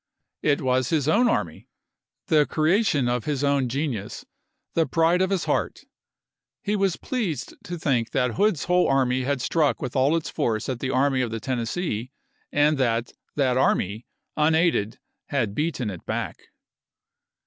It was his own army, the creation of his own genius, the pride of his heart ; he was pleased to think that Hood's whole army had struck with all its force at the Army of the Tennessee and that that army, unaided, had beaten it back.